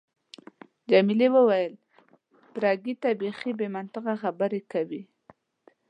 جميلې وويل: فرګي، ته بیخي بې منطقه خبرې کوي.